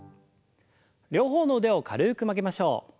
両方の腕を軽く曲げましょう。